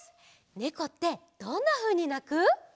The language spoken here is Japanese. ねこってどんなふうになく？